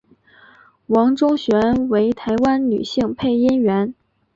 王中璇为台湾女性配音员。